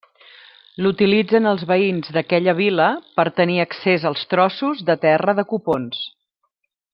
L'utilitzen els veïns d'aquella vila per tenir accés als trossos de terra de Copons.